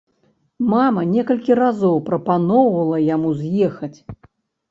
Мама некалькі разоў прапаноўвала яму з'ехаць.